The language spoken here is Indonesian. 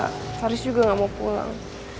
haris juga gak mau pulang